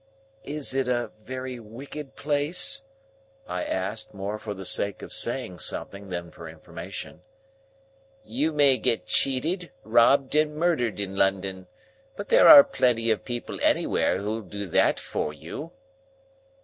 "Is it a very wicked place?" I asked, more for the sake of saying something than for information. "You may get cheated, robbed, and murdered in London. But there are plenty of people anywhere, who'll do that for you."